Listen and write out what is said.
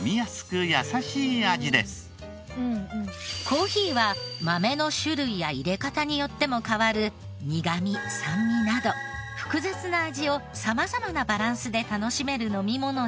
コーヒーは豆の種類や淹れ方によっても変わる苦み酸味など複雑な味を様々なバランスで楽しめる飲み物ですが。